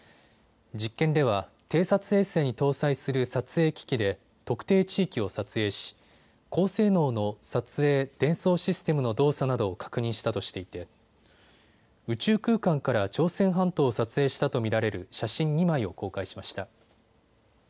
実験では偵察衛星に搭載する撮影機器で特定地域を撮影し高性能の撮影・伝送システムの動作などを確認したとしていて宇宙空間から朝鮮半島を撮影したと見られる写真２枚を公開しました。